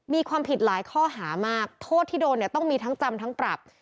มีความผิดหลายข้อหามากโทษที่โดนเนี่ยต้องมีทั้งจำทั้งปรับ